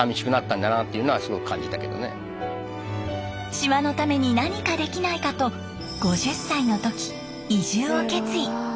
島のために何かできないかと５０歳の時移住を決意。